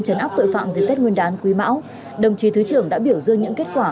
chấn áp tội phạm dịp tết nguyên đán quý mão đồng chí thứ trưởng đã biểu dương những kết quả